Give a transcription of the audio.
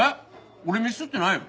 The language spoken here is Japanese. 俺ミスってないよ。